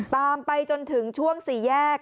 ตามไปจนถึงช่วงสี่แยก